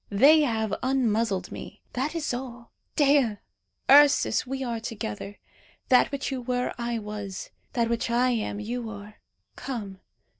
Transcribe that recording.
They have unmuzzled me. That is all. Dea! Ursus! we are together. That which you were, I was; that which I am, you are. Come.